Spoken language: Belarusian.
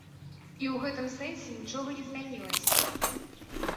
І ў гэтым сэнсе нічога не змянілася.